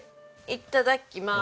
いただきます。